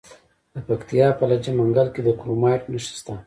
د پکتیا په لجه منګل کې د کرومایټ نښې شته.